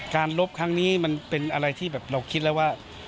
ลบครั้งนี้มันเป็นอะไรที่แบบเราคิดแล้วว่า